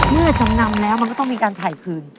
จำนำแล้วมันก็ต้องมีการถ่ายคืน